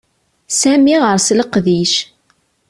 Sami ɣeṛ-s leqdic.